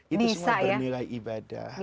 itu semua bernilai ibadah